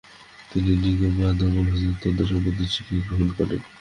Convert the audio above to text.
তিনি র্ন্যিং-মা ধর্মসম্প্রদায়ের তন্ত্র সম্বন্ধেও শিক্ষাগ্রহণ করেন।